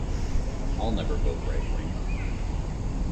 I'll never vote right wing.